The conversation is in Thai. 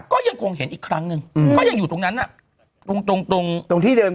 ก็ยังคงเห็นอีกครั้งหนึ่งอืมก็ยังอยู่ตรงนั้นน่ะตรงตรงที่เดิน